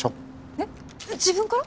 えっ自分から？